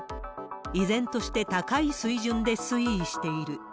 依然として高い水準で推移している。